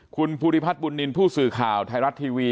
คุณภูริพัฒน์บุญนินทร์ผู้สื่อข่าวไทยรัฐทีวี